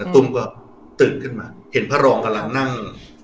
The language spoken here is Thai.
ตุ้มก็ตื่นขึ้นมาเห็นพระรองกำลังนั่ง